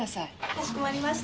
かしこまりました。